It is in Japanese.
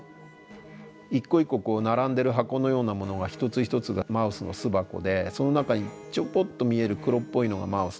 一個一個並んでる箱のようなものが一つ一つがマウスの巣箱でその中にちょこっと見える黒っぽいのがマウスなんですね。